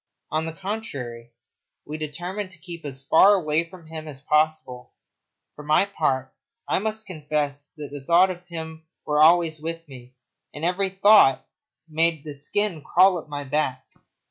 On the contrary, we determined to keep as far away from him as possible. For my part, I confess that thoughts of him were always with me, and every thought made the skin crawl up my back.